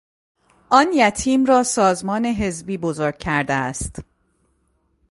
آن یتیم را سازمان حزبی بزرگ کرده است.